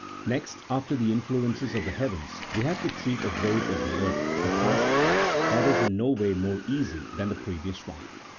Next after the influences of the heavens, we have to treat of those of the earth, a task that is in no way more easy than the previous one.